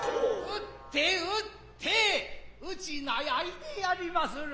打って打って打ちなやいでやりまする。